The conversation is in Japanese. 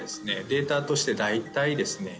データとして大体ですね